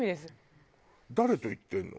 誰と行ってるの？